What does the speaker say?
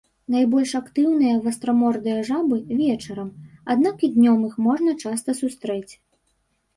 Найбольш актыўныя вастрамордыя жабы вечарам, аднак і днём іх можна часта сустрэць.